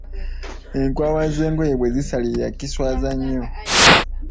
Enkwawa z'engoye bwezisalirira kiswaza nnyo.